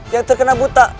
yang terkena buta